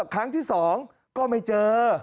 ครั้งที่๒ก็ไม่เจอ